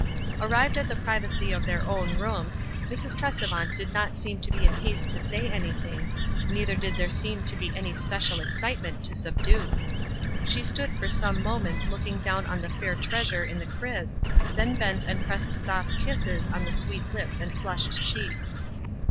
Arrived at the privacy of their own rooms, Mrs. Tresevant did not seem to be in haste to say anything, neither did there seem to be any special excitement to subdue. She stood for some moments looking down on the fair treas ure in the crib, then bent and pressed soft kisses on the sweet lips and flushed cheeks.